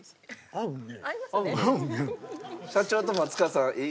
合うね。